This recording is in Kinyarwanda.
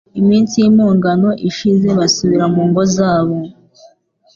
iminsi y impongano ishize basubira mu ngo zabo